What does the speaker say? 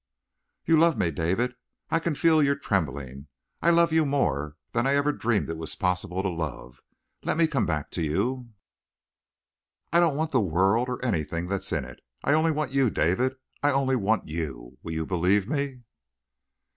"You love me, David. I can feel you trembling, and I love you more than I ever dreamed it was possible to love. Let me come back to you. I don't want the world or anything that's in it. I only want you. David I only want you! Will you believe me?"